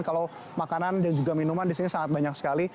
kalau makanan dan juga minuman di sini sangat banyak sekali